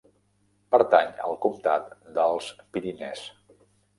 Pertany al comtat dels Pyrenees.